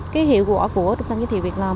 cái hiệu quả của trung tâm giới thiệu việc làm